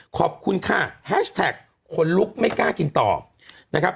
ขอบคุณค่ะแฮชแท็กขนลุกไม่กล้ากินต่อนะครับ